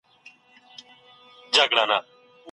د موضوع له مخي ساینسي څېړني ترسره کیږي.